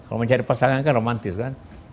kalau mencari pasangan kan romantis kan